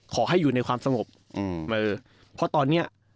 ขอให้อยู่ในความสงบเพราะตอนเนี้ย